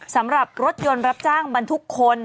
สำหรับรถยนต์รับจ้างบรรทุกคน